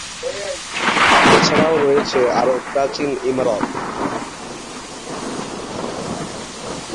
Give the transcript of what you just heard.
এছাড়াও রয়েছে আরো প্রাচীন ইমারত।